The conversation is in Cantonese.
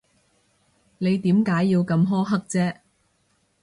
你點解要咁苛刻啫？